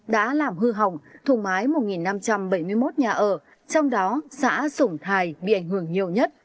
đã làm hư hỏng thùng mái một năm trăm bảy mươi một nhà ở trong đó xã sủng thài bị ảnh hưởng nhiều nhất